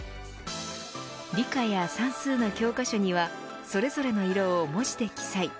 理科や算数の教科書にはそれぞれの色を文字で記載。